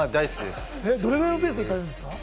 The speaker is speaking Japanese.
どれぐらいのペースで行かれるんですか？